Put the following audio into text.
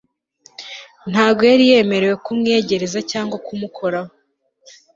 ntago yari yemerewe kumwiyegereza cyangwa kumukoraho